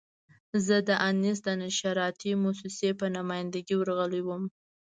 زه د انیس د نشراتي مؤسسې په نماینده ګي ورغلی وم.